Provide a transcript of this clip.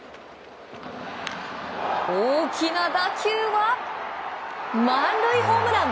大きな打球は満塁ホームラン！